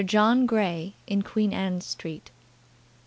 John Grey in Queen Anne Street.